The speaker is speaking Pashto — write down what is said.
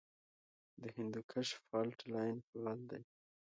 د هندوکش فالټ لاین فعال دی